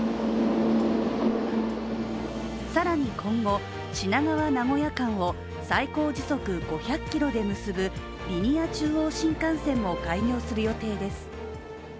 更に今後、品川−名古屋間を最高時速５００キロで結ぶリニア中央新幹線も開業する予定です。